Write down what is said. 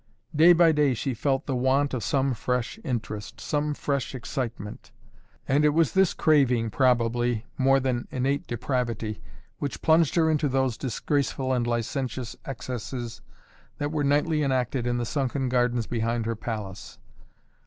Day by day she felt the want of some fresh interest, some fresh excitement, and it was this craving probably, more than innate depravity, which plunged her into those disgraceful and licentious excesses that were nightly enacted in the sunken gardens behind her palace.